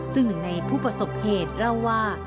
ซึ่งหนึ่งในผู้ประสบเหตุเล่าว่า